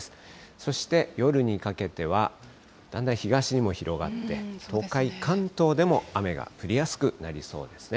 そして、夜にかけては、だんだん東にも広がって、東海、関東でも雨が降りやすくなりそうですね。